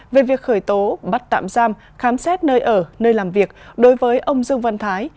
về việc khởi tố bắt tạm giam khám xét nơi ở nơi làm việc đối với ông dương văn thái